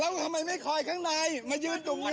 แล้วทำไมไม่คอยข้างในมายืนตรงนี้